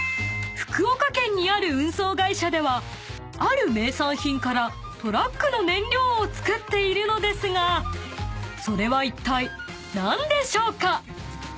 ［福岡県にある運送会社ではある名産品からトラックの燃料をつくっているのですがそれはいったい何でしょうか？］